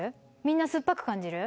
みんな酸っぱく感じる？